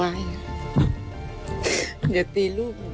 เดี๋ยวตีรูปผมด้วย